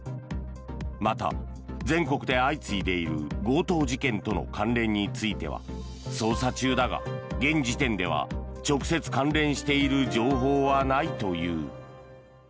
また、全国で相次いでいる強盗事件との関連については捜査中だが、現時点では直接関連している情報はないという。